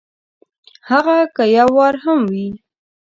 هغه که یو وار هم وي !